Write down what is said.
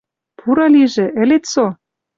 — Пуры лижӹ, ӹлет со?